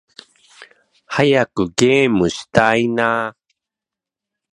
早くゲームしたいな〜〜〜